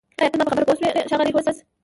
ایا ته زما په خبره پوه شوې ښاغلی هولمز